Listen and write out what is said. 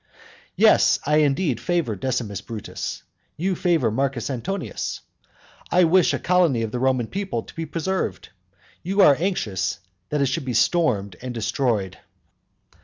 Yes; I indeed favour Decimus Brutus, you favour Marcus Antonius; I wish a colony of the Roman people to be preserved, you are anxious that it should be stormed and destroyed.